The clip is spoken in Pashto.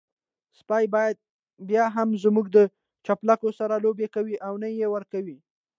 سپی بيا هم زموږ د چپلکو سره لوبې کوي او نه يې ورکوي.